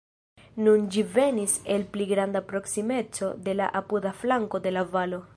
Nun ĝi venis el pli granda proksimeco de la apuda flanko de la valo.